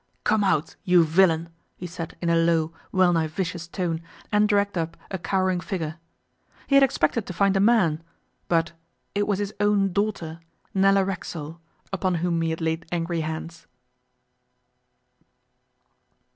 'Come out, you villain!' he said in a low, well nigh vicious tone, and dragged up a cowering figure. He had expected to find a man, but it was his own daughter, Nella Racksole, upon whom he had laid angry hands.